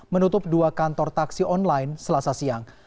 menutup dua kantor taksi online selasa siang